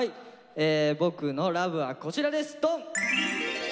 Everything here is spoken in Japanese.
僕の「ＬＯＶＥ」はこちらですドン！